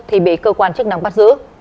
thì bị cơ quan chức năng bắt giữ